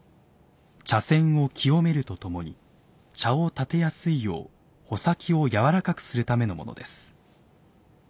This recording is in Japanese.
茶筅を清めるとともに茶を点てやすいよう穂先をやわらかくするためのものです。